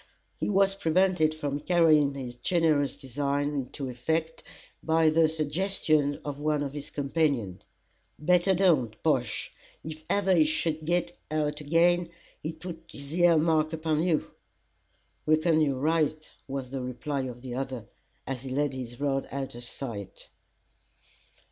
He was prevented from carrying his generous design into effect by the suggestion of one of his companions. "Better don't, Bosh; if ever he should git out agen, he'd put his ear mark upon you." "Reckon you're right," was the reply of the other, as he laid his rod out of sight.